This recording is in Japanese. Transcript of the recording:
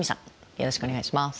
よろしくお願いします。